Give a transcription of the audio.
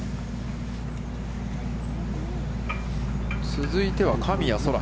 続いては、神谷そら。